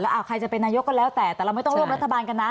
ใครจะเป็นนายกก็แล้วแต่แต่เราไม่ต้องร่วมรัฐบาลกันนะ